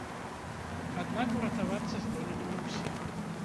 Аднак уратавацца здолелі не ўсе.